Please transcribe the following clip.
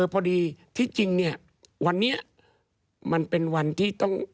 พอดีที่จริงเนี่ยวันนี้มันเป็นวันที่ต้อง